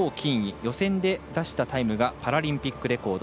予選で出したタイムがパラリンピックレコード。